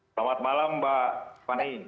selamat malam mbak fani